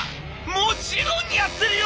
「もちろんやってるよ！